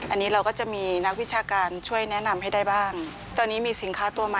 อันนี้เราก็จะมีนักวิชาการช่วยแนะนำให้ได้บ้าง